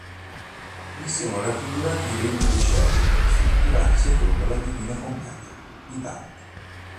Vi sono raffigurati i regni dei cieli strutturati secondo la "Divina Commedia" di Dante.